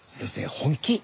本気？